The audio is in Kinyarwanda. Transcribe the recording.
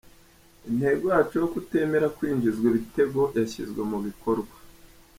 Intego yacu yo kutemera kwinjizwa ibitego yashyizwe mu bikorwa.